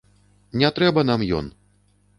Не трэба нам ён.